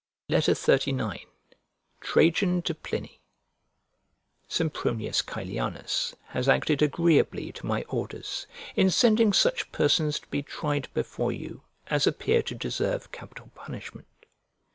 XXXIX TRAJAN TO PLINY SEMPRONIUS CAELINUS has acted agreeably to my orders, in sending such persons to be tried before you as appear to deserve capital punishment.